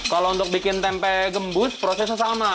kalau untuk bikin tempe gembus prosesnya sama